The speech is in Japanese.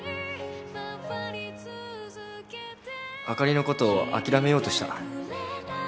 あかりのことを諦めようとした。